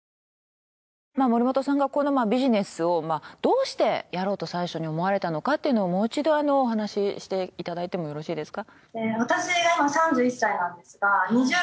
森本さんがこのビジネスをどうしてやろうと最初に思われたのかっていうのをもう一度あのお話していただいてもよろしいですか？